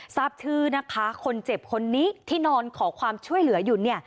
ทราบชื่อนะคะคนเจ็บคนนี้ที่นอนขอความช่วยเหลืออยู่เนี่ย